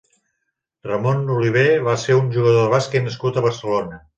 Ramón Oliver va ser un jugador de bàsquet nascut a Barcelona.